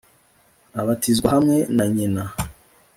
abatizwa hamwe na nyina